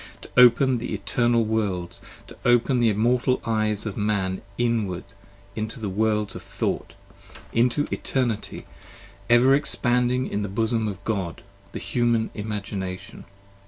To open the Eternal Worlds, to open the immortal Eyes Of Man inwards into the Worlds of Thought: into Eternity 20 Ever expanding in the Bosom of God, the Human Imagination.